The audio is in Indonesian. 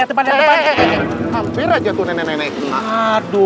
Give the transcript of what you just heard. hampir aja tuh nenek nenek